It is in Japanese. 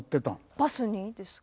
バスにですか？